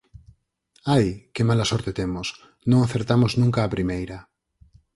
Ai, que mala sorte temos! Non acertamos nunca á primeira.